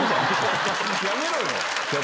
やめろよ